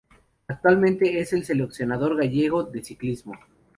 Actualmente, es el seleccionador gallego de ciclismo.